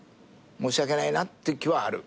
申し訳ないなって気はある。